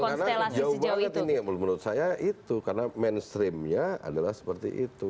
karena jauh banget ini menurut saya itu karena mainstreamnya adalah seperti itu